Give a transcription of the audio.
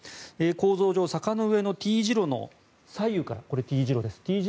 構造上、坂の上のＴ字路の左右からＴ字路です。